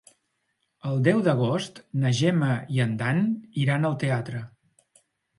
El deu d'agost na Gemma i en Dan iran al teatre.